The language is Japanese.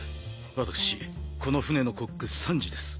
私この船のコックサンジです。